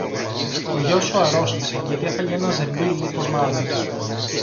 Ο γιος σου αρρώστησε, γιατί έφαγε ένα ζεμπίλι κουρμάδες